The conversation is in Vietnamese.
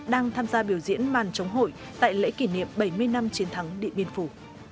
đang tham gia biểu diễn màn chống hội tại lễ kỷ niệm bảy mươi năm chiến thắng điện biên phủ